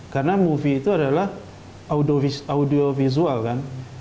karena movie itu adalah audiovisual kan